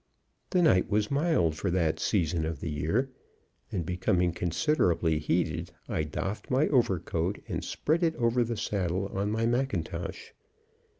The night was mild for that season of the year, and becoming considerably heated, I doffed my overcoat and spread it over the saddle on my mackintosh.